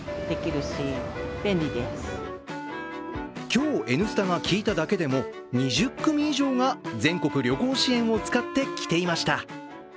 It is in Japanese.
今日、「Ｎスタ」が聞いただけでも２０組以上が全国旅行支援を使って来ていました。